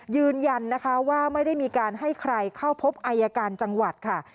ยืนยันนะคะว่าไม่ได้มีการให้ใครเข้าพบอายการจังหวัดค่ะ